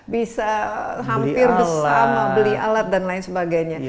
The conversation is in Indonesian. bisa hampir bersama beli alat dan lain sebagainya